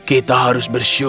oh kita harus bersihkan kentang